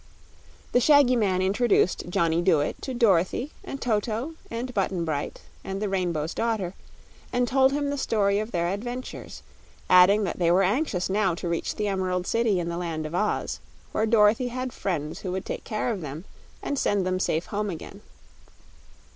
The shaggy man introduced Johnny Dooit to Dorothy and Toto and Button Bright and the Rainbow's Daughter, and told him the story of their adventures, adding that they were anxious now to reach the Emerald City in the Land of Oz, where Dorothy had friends who would take care of them and send them safe home again.